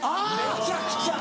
めちゃくちゃ！